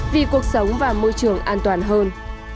vì cuộc sống và môi trường an toàn hơn